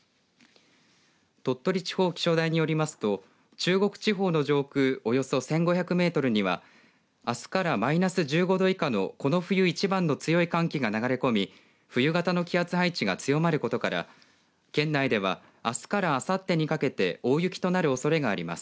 鳥取地方気象台によりますと中国地方の上空およそ１５００メートルにはあすからマイナス１５度以下のこの冬一番の強い寒気が流れ込み冬型の気圧配置が強まることから県内ではあすからあさってにかけて大雪となるおそれがあります。